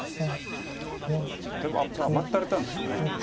じゃあ甘ったれたんですかね。